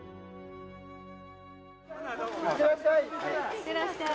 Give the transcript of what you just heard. いってらっしゃい。